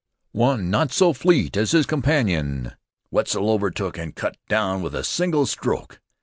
One, not so fleet as his companion, Wetzel overtook and cut down with a single stroke.